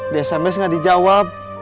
dia sms gak dijawab